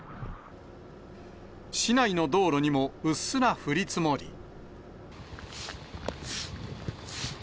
市内の道路にもうっすら降り積もり。